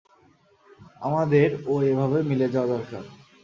আমাদের ও এভাবে মিলে যাওয়া দরকার।